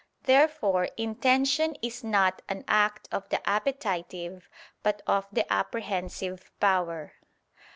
Therefore intention is not an act of the appetitive but of the apprehensive power.